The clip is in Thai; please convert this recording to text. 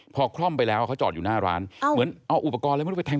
พอคร่อมไปแล้วเขาจอดอยู่หน้าร้านเหมือนเอาอุปกรณ์ลงไปแทง